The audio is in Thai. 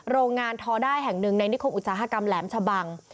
โรงงานทอด้าแห่งหนึ่งในนิคมอุตสาหกรรมแหลมชะบัง